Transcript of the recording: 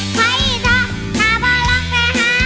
ไฟเถอะถ้าพ่อลองจะหา